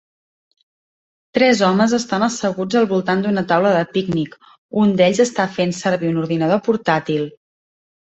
Tres homes estan asseguts al voltant d'una taula de pícnic, un d'ells està fent servir un ordinador portàtil.